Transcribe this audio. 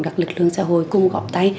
các lực lượng xã hội cùng góp tay